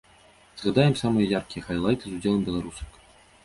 Згадаем самыя яркія хайлайты з удзелам беларусак.